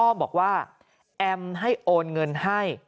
บอกว่าแอมให้โอนเงินให้